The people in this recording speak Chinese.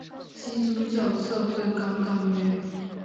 基督教社会党党员。